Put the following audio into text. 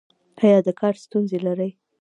ایا د کار ستونزې لرئ؟